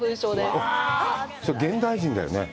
現代人だよね？